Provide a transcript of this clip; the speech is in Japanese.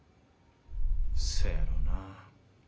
せやろな。